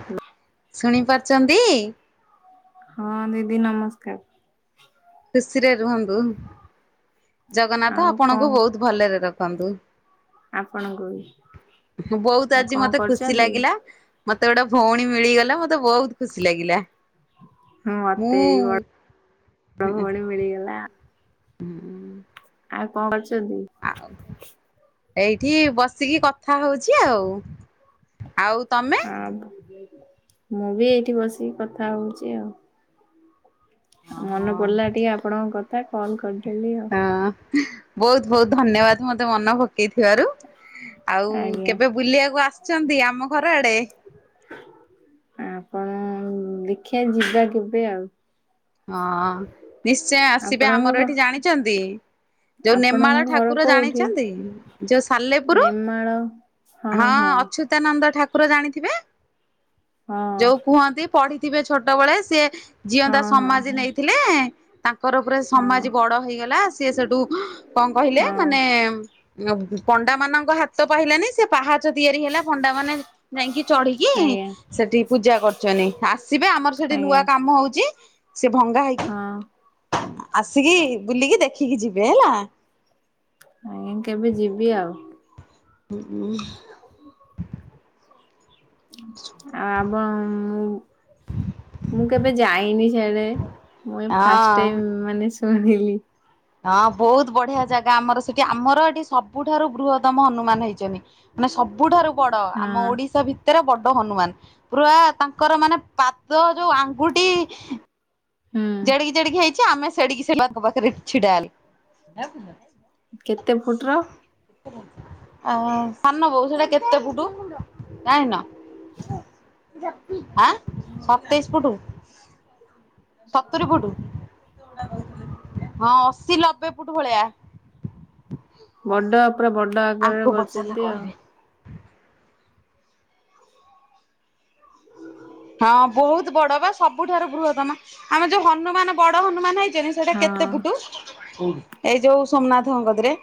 ହୁଁ [unintelligible] ଶୁଣି ପାରୁଛନ୍ତି। ହଁ ଦିଦି ନମସ୍କାର। ଖସିରେ ରୁହନ୍ତୁ। ଜଗନ୍ନାଥ ଆଉ ଆପଣଙ୍କୁ କଣ ବହୁତ ଭଲରେ ରଖନ୍ତୁ। ଆପଣଙ୍କୁ ବି [inaudible] ବହୁତ ଆଉ ଆଜି କଣ ମତେ ଖୁସି କରୁଛନ୍ତି? ଲାଗିଲା। ମତେ ଗୋଟେ ଭଉଣୀ ମିଳିଗଲା ମତେ ବହୁତ ଖୁସି ଲାଗିଲା। ହଁ ମତେ ବି ମୁଁ ବଡ ଭଉଣୀ [unintelligible] ମିଳିଗଲା। ହୁଁ [unintelligible] ଆଉ କଣ କରଛନ୍ତି? ଆ [unintelligible] ଏଇଠି ବସିକି କଥା ହଉଛି ଆଉ [inaudible] ଆଉ ତମେ ଆ [unintelligible] ମୁଁ ବି ଏଇଠି ବସିକି କଥା ହଉଛି ଆଉ। ଓହୋ ମନେ ପଡିଲା ଟିକେ ଆପଣଙ୍କ କଥା କଲ କରିଦେଲି ଆଉ। ହ ବହୁତ ବହୁତ ଧନ୍ୟବାଦ ମତେ ମନ ପକେଇଥିବାରୁ। ଆଉ ଆଜ୍ଞା। କେବେ ବୁଲିବାକୁ ଆସିଛନ୍ତି ଆମ ଘର ଆଡେ? ଆପଣ ଦେଖିବା ଯିବା କେବେ ଆଉ। ହଁ ନିଶ୍ଚୟ ଆସିବେ ଆପଣଙ୍କ ଘ ଆମର ଏଠି ଜାଣିଛନ୍ତି ଯୋଉ ନେମାଳ ଆପଣଙ୍କ ଘର ଠାକୁର କୋଉଠି? ଜାଣିଛନ୍ତି ଯୋଉ ସାଲେପୁର ନେମାଳ ହଁ ଅଚ୍ୟୁତାନନ୍ଦ ଠାକୁର ଜାଣିଥିବେ ହଁ ଯୋଉ କୁହନ୍ତି ପଢିଥିବେ ଛୋଟବେଳେ ସିଏ ହଁ ହଁ ହଁ। ଥିଲେ ତାଙ୍କର ପୁରା ହଁ ସମାଜ ବଡ ହେଇଗଲା ସିଏ ସେଠୁ କଣ କହିଲେ ହଁ ମାନେ ପଣ୍ଡା ମାନଙ୍କ ହାତ ପାଇଲାନି ସେ ପାହା ଚ ତିଆରି ହେଲା ପଣ୍ଡା ମାନେ ଯାଇକି ଚଢିକି ଆଜ୍ଞା ସେଠି ପୂଜା କରୁଛନ୍ତି ଆସିବେ ଆମର ସେଠି ଆଜ୍ଞା। ନୂଆ କାମ ହଉଛି ସେ ଭଙ୍ଗା ହେଇକି ହଁ। ଆସିକି ବୁଲିକି ଦେଖିକି ଯିବେ ହେଲା। ଆଜ୍ଞା କେବେ ଯିବି ଆଉ। ହୁଁ ହୁଁ। ଆଉ ଆମ ମୁଁ କେବେ ଯାଇନି ସେଆଡେ ମୁଇ ଫାଷ୍ଟ ହଁ ଟାଇମ୍ ମାନେ ଶୁଣିଲି। ହଁ ବହୁତ ବଢିଆ ଜାଗା ଆମର ସେଠି ଆମର ଏଠି ସବୁଠାରୁ ବୃହତ୍ତମ ହନୁମାନ ହେଇଛନ୍ତି। ମାନେ ସବୁଠାରୁ ବଡ ଆମ ହଁ। ଓଡିଶା ଭି ତରେ ବଡ ହନୁମାନ ପୁରା ତାଙ୍କର ମାନେ ପାଦ ଯୋଉ ଆଙ୍ଗୁଠି ହୁଁ ଜେଡିକି ଜେଡିକି ହେଇଛି ଆମେ ସେଡିକି ସେଙ୍କ ପାଖରେ ଛିଡା ହେଲୁ। କେତେ ଫୁଟ ର? ସାନ ବୋଉ ସେଟା କେତେ ଫୁଟୁ ଯାଣିନ? ଆଁ ସତେଇଶ ଫୁଟ? ସତୁରି ଫୁଟ ହଁ ଅଶୀ ନବେ ଫୁଟ ଭଳିଆ। ବଡ ପୁରା ବଡ ଆକାରରେ ଆଙ୍କୁ ପଚାରିଲେ କରିଛନ୍ତି ଆଉ। କହିବେ। ହଁ ବହୁତ ବଡ ବା ସବୁଠାରୁ ବୃହତ୍ତମ ଆମର ଯୋଉ ହନୁମାନ ବଡ ହନୁମାନ ହେଇଚନ୍ତି। ସେଟା ହଁ କେତେ ପୁଟୁ କୋଉଠି ଏଇ ଯୋଉ ସୋମନାଥଙ୍କ କତିରେ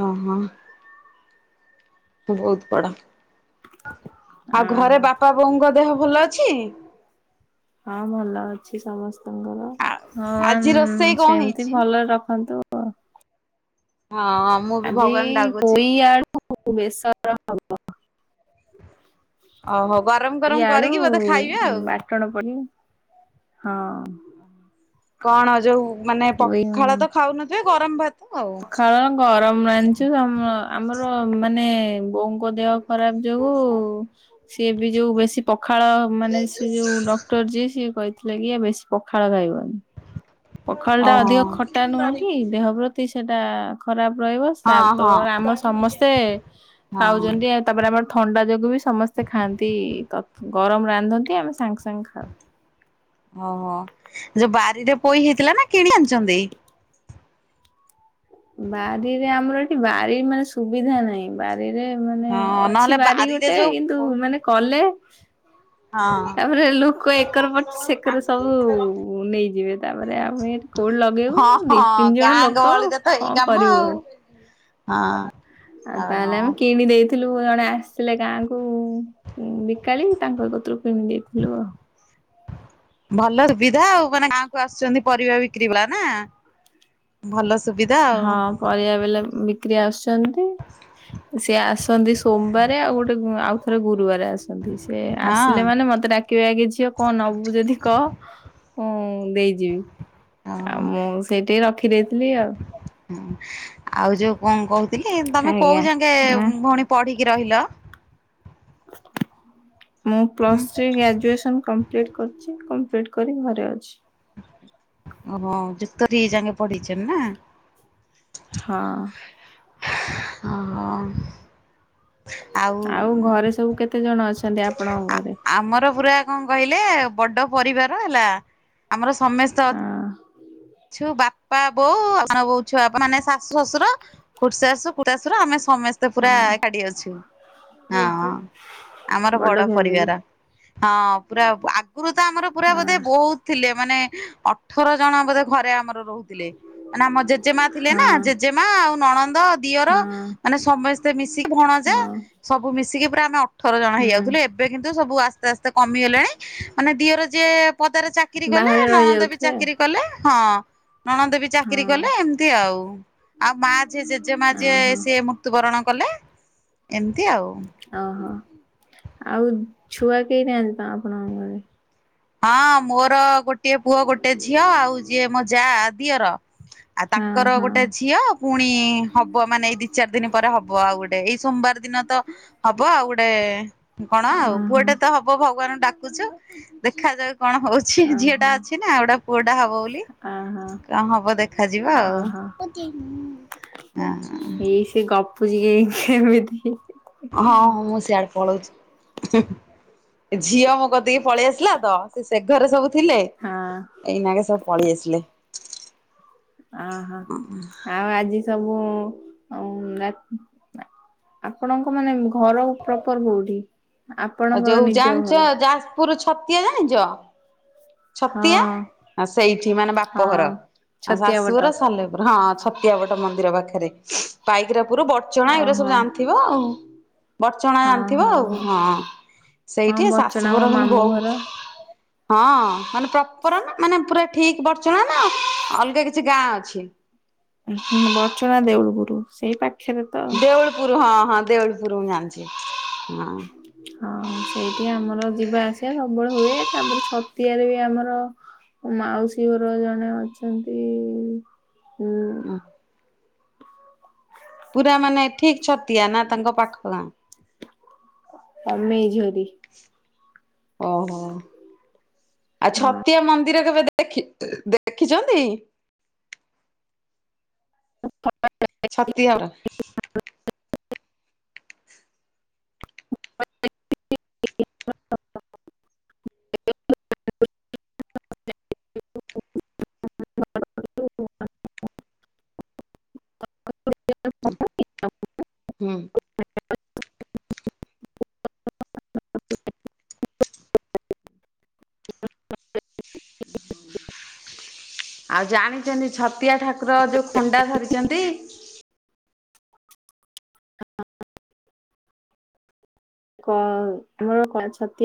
ହଁ ହଁ। ମୁଁ ବହୁତ ବଡ ଆଉ ଘରେ ଅହୋ ବାପା ବୋଉଙ୍କ ଦେହ ଭଲ ଅଛି? ହଁ ଭଲ ଅଛି ସମସ୍ତଙ୍କର ଆ ହଁ ଆଜି ରୋଷେଇ କଣ ସେମିତି ହେଇଛି? ଭଲରେ ରଖନ୍ତୁ। ଆଉ। ହଁ। ମୁଁ ବି ଆଜି ଭଗବାନ ଡାକୁଛି ପୋଇ ଆଳୁ ବେଶର ହବ। ଓହୋ ଗରମ ଗରମ ପୋଇ ଆଳୁ କରିକି ବୋଧେ ଖାଇବେ ଆଉ। ବାଟଣ ପଡି ହଁ। କଣ ଯୋଉ ମାନେ ପଖାଳ ପୋଇ ତ ଖାଉନଯେ ଗରମ ଭାତ୍ ପଖାଳ ଗରମ ଆଣିଚୁ ଆମ ଆମର ମାନେ ବୋଉଙ୍କ ଦେହ ଖରାପ ଯୋଗୁଁ ସିଏ ବି ଯୋଉ ବେଶୀ ପଖାଳ ମାନେ ସେ ଯୋଉ ଡକ୍ଟର ଯିଏ ସିଏ କହି ସେଥିଲାଗି ବେଶୀ ପଖାଳ ଖାଇବନି। ପଖାଳଟା ଅଧିକ ଓହୋ। ଖଟା ନୁହଁ କି ଦେହ ପ୍ରତି ସେଟା ଖରାପ ରହିବ। ହଁ ସାତେ ହଁ ବେଳେ ଆମ ସମସ୍ତେ ହଁ ଖାଉଚନ୍ତି ଆ ତାପରେ ଆମର ଥଣ୍ଡା ଯୋଗୁ ବି ସମସ୍ତେ ଖାଆନ୍ତି ତତ୍ ଗରମ ରାନ୍ଧନ୍ତି ଆମେ ସାଙ୍ଗେ ସାଙ୍ଗେ ଖାଉ। ଓହୋ ଯୋଉ ବାଡିରେ ପୋଇ ହେଇଥିଲା ନା କିଣିକି ଆଣିଚନ୍ତି? ବାଡିରେ ଆମର ଏଠି ବାଡି ମାନେ ସୁବିଧା ନାହିଁ। ବାରିରେ ମାନେ ହଁ ଅଛି ନହେଲେ ବାରି ବାରିରେ ଗୋଟେ ଯୋଉ କିନ୍ତୁ ହଁ ମାନେ କଲେ। ହଁ। ତାପରେ ଲୋକ ଏକର ପଡ଼ିଚି ସେକର ସବୁ ନେଇଯିବେ ତାପରେ ଆମେ ଏଠି। କୋଉ ଲଗେଇବୁ ଦି ହଁ ତିନ୍ ଜଣ ଗାଁ ଲୋକ। ଗହଳିରେ ତ ଏଇ କଣ କାମ କରିବୁ ଆଉ। ହଁ। ଓହୋ ତାହେଲେ ଆମେ କିଣି ଦେଇ ଥିଲୁ ଜଣେ ଆସିଥିଲେ ଗାଁ କୁ ବିକାଳି ତାଙ୍କ କତୁରୁ କିଣି ଦେଇଥିଲୁ ଆଉ। [inaudible] ଭଲ ସୁବିଧା ଆଉ ମାନେ ଗାଁ କୁ ଆସୁଚନ୍ତି ପରିବା ବିକ୍ରି ବାଲା ନା। ଭଲ ସୁବିଧା ଆଉ। ହଁ ପରିବା ବାଲା ବିକ୍ରି ଆସୁଚନ୍ତି ସିଏ ଆସନ୍ତି ସୋମବାରେ ଆଉ ଗୋଟେ। ଉଁ ଆଉ ଥରେ ଗୁରୁବାରେ ଆସନ୍ତି ସେ ହଁ ଆସିଲା ମାନେ ମତେ ଡା କିବେ ଆଗେ ଝିଅ କଣ ନବୁ ଯଦି କହ ମୁଁ ଦେଇଯିବି। ଆଉ ଓହୋ। ମୁଁ ସେଇଠି ରଖିଦେଇଥିଲି ଆଉ। ହୁଁ ଆଉ ଯୋଉ କଣ କହୁଥିଲି ତମେ ଆଜ୍ଞା। କୋଉ ଯାକେଁ ଆଁ ଭଉଣୀ ପଢିକି ରହିଲ? ମୁଁ plus three graduation complete କରଚି କମ୍ପ୍ଲିଟ୍ କରିକି ଘରେ ଅଛି। ଓହୋ ଯୁକ୍ତ ଦିଇ ଯାକେଁ ପଢିଛ ନା।? ହଁ। ହଁ ହଁ। ଆଉ ଘରେ ସବୁ କେତେ ଜଣ ଅଛ ଆ ଆମର ପୁରା। କଣ କହିଲେ ବଡ ପରିବାର ହେଲା ଆମର ସମେସ୍ତେ ଅ ହଁ ଛୁ ବାପା ବୋଉ ସାନ ବୋଉ ଆଉ ସାନବୋଉ ଛୁଆ ପା ମାନେ ଶାଶୁ ଶଶୁର। ଖୁଡିଶାଶୁ ଖୁଡିତାଶୁର ଆମେ ସମେ ସ୍ତେ ପୁରା ହଁ ଏକାଠି ଅଛୁ ହଁ ହଁ ଆମର ବଡ ପରିବାର। ହଁ ପୁରା ଆଗୁରୁ ତ ଆମର ପୁରା ବୋଧେ ହଁ ବହୁତ୍ ଥିଲେ ମାନେ ଅଠର ଜଣ ବୋଧେ। ଘରେ ଆମର ରହୁଥିଲେ ମାନେ ଆମ ଜେଜେମା ଥିଲେ ହଁ ନା ଜେଜେମା ଆଉ ନଣନ୍ଦ। ଦିଅର ହଁ ମାନେ ସମସ୍ତେ ମିଶିକି ଭଣଜା ହଁ ସବୁ ମିଶିକି ପୁରା ଆମେ ଅ ଠର ଜଣ ହୁଁ ହେଇଯାଉଥିଲେ ଏବେ କିନ୍ତୁ ସବୁ ଆସ୍ତେ ଆସ୍ତେ କମିଗଲେଣି ମାନେ ଦିଅର ଯିଏ। ପଦାରେ ଚାକିରୀ କଲେ ବାହାରେ ନଣନ୍ଦ ବି ରହିଯାଉଥିବେ ଚାକିରି। କଲେ ହଁ ନଣନ୍ଦ ବି ଚାକିରୀ କଲେ ଆଉ ଏମତି ଆଉ ଆଉ ମା ଝି ଯେ ଜେମା ଯିଏ ହଁ ଓହୋ ସିଏ ମୃତ୍ୟୁ ବରଣ କଲେ ଏମତି ଆଉ। ଓହୋ ଆଉ ଛୁଆ କେହି ନାହାନ୍ତି ତ ଆପଣଙ୍କ ଘରେ? ହଁ ମୋର ଗୋଟିଏ ପୁଅ ଗୋଟେ ଝିଅ ଆଉ ଯିଏ ମୋ ଯା ଦିଅର। ଆଉ ହଁ ତାଙ୍କର ହଁ ଗୋଟେ ଝିଅ। ପୁଣି ହବ ମାନେ ଏଇ ଦି ଚାର୍ ଦିନ ପରେ ହବ ଆଉ ଗୋଟେ ଏଇ ସୋମବାର ଦିନ ତ। ହବ ଆଉ ଗୋଟେ। କଣ ଆଉ ଓହୋ ପୁଅଟେ ତ ହବ ଭଗବାନ ଙ୍କୁ ଡାକୁଚୁ ଦେଖାଯାଉ କଣ ହଉ ଛି ଝିଅଟା ଓହୋ ଅଛି ନା ଆଉ ଗୋଟା ପୁଅଟା ହବ ବୋଲି ଓହୋ କଣ ହବ ଦେଖାଯିବ ଆଉ। ଓହୋ ଆଁ। ଏଇ ସେ ଗପୁଚି ଯେ କେମିତି। ହଁ ହଁ ମୁଁ ସିଆଡେ ପଳଉଚି। ହୁଁ ହୁଁ ଝିଅ ମୋ କତିକି ପଳେଇ ଆସିଲା ତ ସେ ସେ ଘରେ ସବୁ। ଥିଲେ ହଁ ଏଇନାକେ ସବୁ ପଲେଇ ଆସିଲେ। ଆଁ ହାଁ ଆଉ ଆଜି ସବୁ ଆଉ ଆପଣଙ୍କ ମାନେ ଘର ପ୍ରପର୍ କୋଉଠି? ଆଉ ଆପଣଙ୍କର ଯୋଉ ନିଜ ଜାଣିଛ ଘର ଯାଜପୁର ଛତିଆ ଜାଣିଛ? ହଁ ଛତିଆ ସେଇଠି ମାନେ ହଁ। ବାପଘର ଆଉ ଛତିଆ ବଟ ଶାଶୁଘର ସଲେ ହଁ ଛତିଆବଟ ମନ୍ଦିର ପାଖରେ ପାଇକରାପୁର ବ ଚଣା ଏଗୁଡା ଓହୋ ସବୁ ହଁ ଜାଣିଥିବ ଆଉ ବଡ୍ଚଣା ଜାଣିଥିବ ଆଉ ହଁ। ହଁ ସେଇଠି ବଡଚଣା ମୋ ଶାଶୁଘର କିନ୍ତୁ ମାମୁଁ ଘର। ବହୁତ୍ ହଁ ମାନେ ପ୍ରପର ନା ମାନେ ପୁରା ଠିକ୍ ବର୍ ଣା ନା ଅଲଗା କିଛି ଗାଁ ଅଛି? ବଡ୍ଚଣା ଦେଉଳ ପୁରୁ ସେଇ ପା ଦେଉଳପୁରୁ ହଁ ହଁ ଦେଉଳପୁର ମୁଁ ଜାଣିଛି। ହଁ। ହଁ ସେଇଠି ଆମର ଯିବା ଆସିବା ସବୁବେଳେ ହୁଏ ତାପରେ ଛତିଆରେ ବି ଆମର ମାଉସୀ ଘର ଜଣେ ଅଛନ୍ତି ହୁଁ। ପୁରା ମାନେ ଠିକ୍ ଛତିଆ ନା ତାଙ୍କ ପାଖ ଗାଁ? ତମେ ଏ ଝିଅ ଟି। ଓହୋ ଆଉ ହଁ ଛତିଆ ମନ୍ ଦିର କେବେ ଦେଖି ଦେଖିଛନ୍ତି? [unintelligible] ଛତିଆ [unintelligible] [unintelligible] [unintelligible] ହୁଁ [unintelligible] [unintelligible] [inaudible] ଆଉ ଜାଣିଛନ୍ତି ଛତିଆ ଠାକୁର ଯୋଉ ଖଣ୍ଡା ଧରିଛନ୍ତି ହଁ ଆମର କ ଛତିଆ